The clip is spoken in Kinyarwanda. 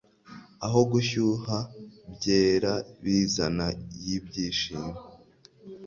aho gushyuha byera bizana y'ibyishimo